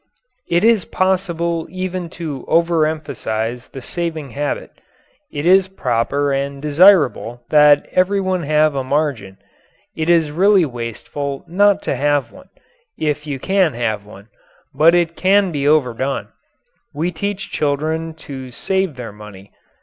It is possible even to overemphasize the saving habit. It is proper and desirable that everyone have a margin; it is really wasteful not to have one if you can have one. But it can be overdone. We teach children to save their money.